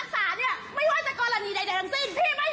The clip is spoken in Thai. แต่พี่ไม่สรรพวงจะเอาพ่อหนูเอา